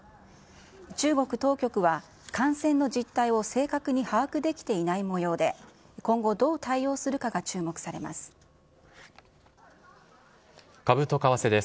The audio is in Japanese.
中国当局は感染の実態を正確に把握できていないもようで、今後、どう対応するかが注目されます。